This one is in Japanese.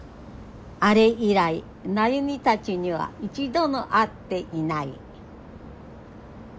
あれ以来真由美たちには一度も会っていない。